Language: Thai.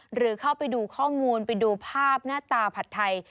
หรือเข้าไปดูข้อมูลไปดูภาพหน้าตาผัดไทย